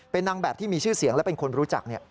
เป็นนางแบบที่มีชื่อเสียงและเป็นคนรู้จัก